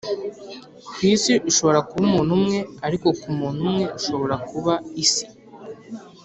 kwisi ushobora kuba umuntu umwe ariko kumuntu umwe ushobora kuba isi